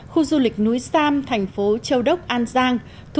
khu du lịch núi sam thành phố châu đốc an giang